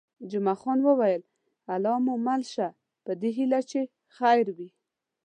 جمعه خان وویل: الله مو مل شه، په دې هیله چې خیر وي.